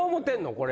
これ。